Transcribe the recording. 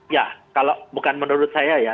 ya kalau bukan menurut saya ya